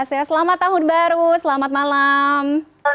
selamat tahun baru selamat malam